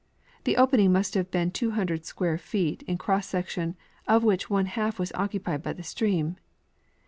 The opening must have been 200 square feet in cross section, of which one half was occupied by the stream.